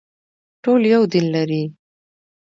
ټول یو دین لري